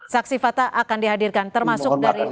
saksi fakta akan dihadirkan termasuk dari